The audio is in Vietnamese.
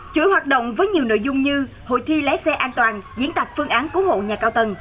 chuỗi hoạt động với nhiều nội dung như hội thi lái xe an toàn diễn tạc phương án cứu hộ nhà cao tầng